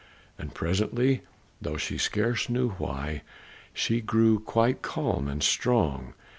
And presently, though she scarce knew why, she grew quite calm and strong.